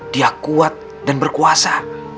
dia kuat dan berkuasa